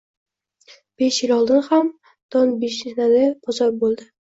Besh yil oldin ham Dobshinada bozor boʻldi.